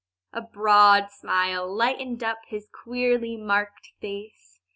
A broad smile lighted up his queerly marked face.